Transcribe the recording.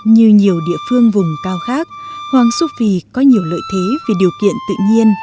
như nhiều địa phương vùng cao khác hoàng su phi có nhiều lợi thế về điều kiện tự nhiên